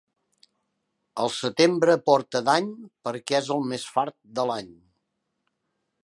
El setembre porta dany, perquè és el més fart de l'any.